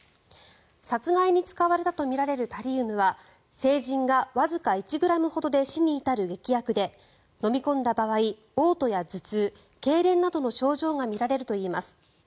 殺害に使われたとみられるタリウムは成人がわずか１ｇほどで死に至る劇薬で飲み込んだ場合おう吐や頭痛、けいれんなどの症状が見られるといいます。